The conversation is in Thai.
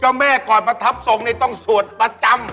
แม่ก่อนประทับทรงนี่ต้องสวดประจำ